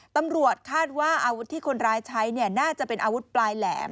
ตำรวจคาดว่าอาวุธที่คนร้ายใช้น่าจะเป็นอาวุธปลายแหลม